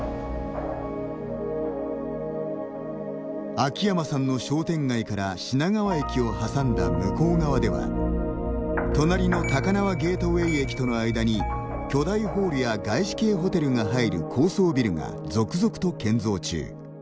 秋山さんの商店街から品川駅を挟んだ向こう側では隣の高輪ゲートウェイ駅との間に巨大ホールや外資系ホテルが入る高層ビルが続々と建造中。